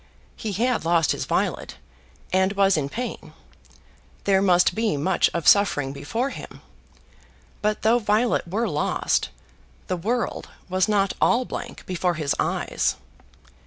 He had lost his Violet, and was in pain. There must be much of suffering before him. But though Violet were lost, the world was not all blank before his eyes.